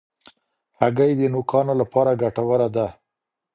هګۍ د نوکانو لپاره ګټوره ده.